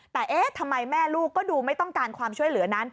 แต่เอ๊ะทำไมแม่ลูกก็ดูไม่ต้องการความช่วยเหลือนั้น